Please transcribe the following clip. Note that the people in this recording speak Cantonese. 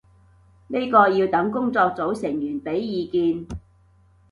呢個要等工作組成員畀意見